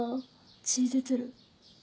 血出てる。